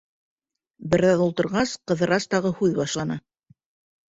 Бер аҙ ултырғас, Ҡыҙырас тағы һүҙ башланы: